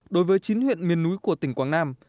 đối với chín huyện miền núi của tỉnh quảng nam